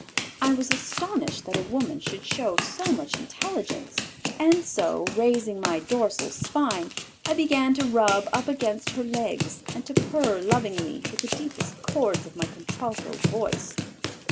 I was astonished that a woman should show so much intelligence, and so, raising my dorsal spine, I began to rub up against her legs and to purr lovingly with the deepest chords of my contralto voice.